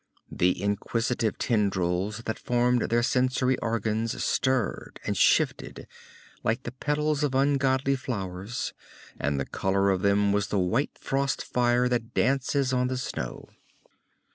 The inquisitive tendrils that formed their sensory organs stirred and shifted like the petals of ungodly flowers, and the color of them was the white frost fire that dances on the snow.